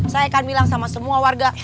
saya akan bilang sama semua warga